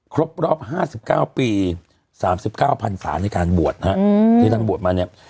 ครบรอบ๕๙ปี๓๙พันศาในการบวชนะฮะที่ท่านบวชมาเนี่ย